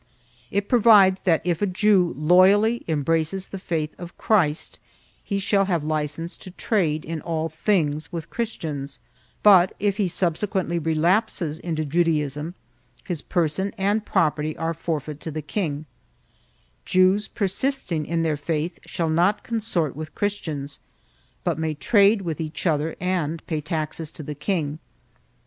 It provides that if a Jew loyally embraces the faith of Christ, he shall have license to trade in all things with Christians, but if he subsequently relapses into Judaism his person and property are forfeit to the king; Jews persisting in their faith shall not consort with Chris tians, but may trade with each other and pay taxes to the king.